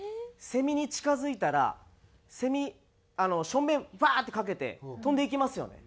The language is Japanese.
セミに近付いたらセミ小便ブワーッてかけて飛んでいきますよね。